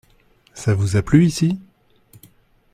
Ça vous a plu ici ?